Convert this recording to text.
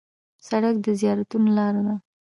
سړک د زیارتونو لار ده.